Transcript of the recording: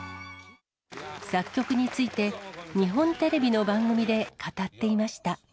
作曲について、日本テレビの番組で語っていました。